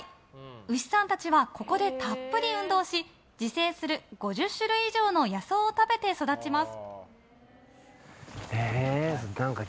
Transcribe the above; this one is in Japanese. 牛さんたちはここでたっぷり運動し自生する５０種類以上ある野草を食べて育ちます。